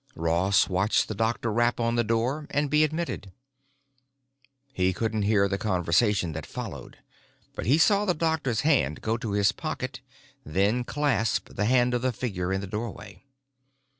Ross watched the doctor rap on the door and be admitted. He couldn't hear the conversation that followed, but he saw the doctor's hand go to his pocket, then clasp the hand of the figure in the doorway.